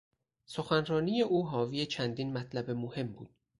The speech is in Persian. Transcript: سخنرانی او حاوی چندین مطلب مهم بود.